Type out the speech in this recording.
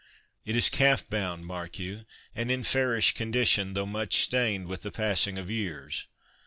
It is calf bound, mark you, and in fairish condition, though much stained with the passing of years.